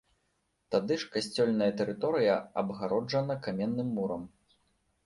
Тады ж касцёльная тэрыторыя абгароджана каменным мурам.